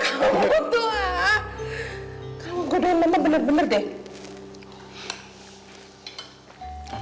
kamu kodian mama bener bener deh